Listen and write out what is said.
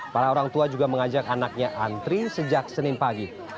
para orang tua juga mengajak anaknya antri sejak senin pagi